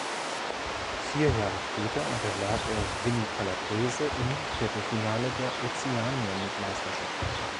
Vier Jahre später unterlag er Vinnie Calabrese im Viertelfinale der Ozeanienmeisterschaft.